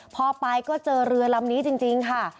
พอไปก็เจอเรือลำนี้จริงค่ะ